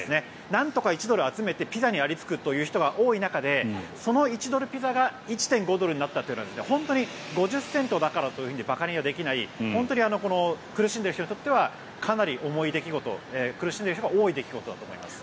なんとか１ドル集めてピザにありつく人が多い中でその１ドルピザが１．５ドルになったというのは本当に５０セントだからといって馬鹿にはできない本当に苦しんでいる人にとってはかなり重い出来事苦しんでいる人が多い出来事だと思います。